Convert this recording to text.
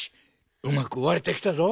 うまくわれてきたぞ。